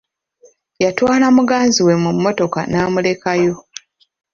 Yatwala muganzi we mu mmotoka n'amulekayo.